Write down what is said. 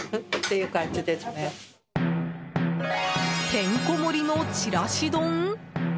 てんこ盛りのちらし丼？